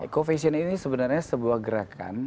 co fashion ini sebenarnya sebuah gerakan